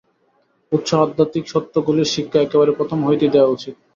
উচ্চ আধ্যাত্মিক সত্যগুলির শিক্ষা একেবারে প্রথম হইতেই দেওয়া উচিত।